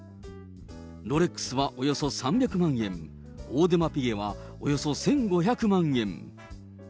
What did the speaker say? ロレックスはおよそ３００万円、オーデマピゲはおよそ１５００万円。